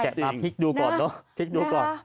แกมาพลิกดูก่อนนะ